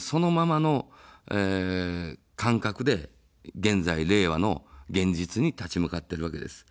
そのままの感覚で現在、令和の現実に立ち向かっているわけです。